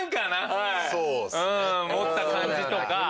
持った感じとか。